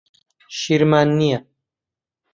شیرمان نییە.